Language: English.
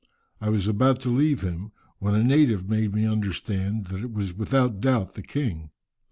I was about to leave him, when a native made me understand that it was without doubt the king.